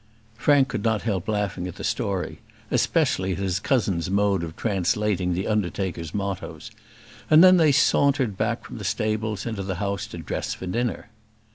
Frank could not help laughing at the story, especially at his cousin's mode of translating the undertaker's mottoes; and then they sauntered back from the stables into the house to dress for dinner.